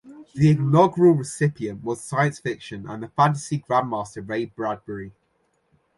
The inaugural recipient was science fiction and fantasy Grandmaster Ray Bradbury.